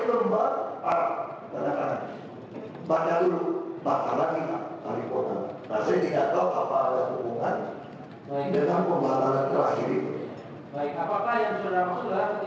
jumlahnya melebihi dari nilai formulasi